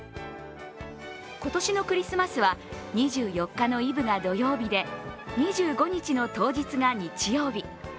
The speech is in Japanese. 今年のクリスマスは２４日のイブが土曜日で２５日の当日が日曜日。